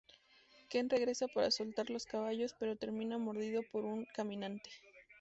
Ken regresa para soltar los caballos, pero termina mordido por un caminante.